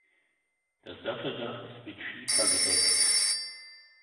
Das Satteldach ist mit Schiefer gedeckt.